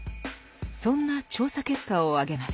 そんな調査結果を挙げます。